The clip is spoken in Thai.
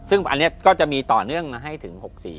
ซึ่งอันนี้ก็จะมีต่อเนื่องมาให้ถึง๖๔